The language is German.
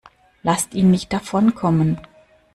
Lasst ihn nicht davonkommen!